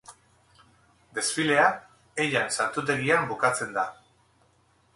Desfilea Heian santutegian bukatzen da.